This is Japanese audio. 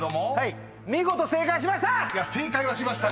見事正解しました！